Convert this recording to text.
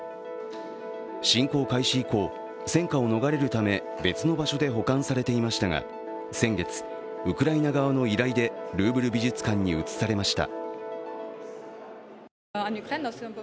侵攻開始以降、戦火を逃れるため別の場所で保管されていましたが、先月、ウクライナ側の依頼でルーブル美術館に移されました。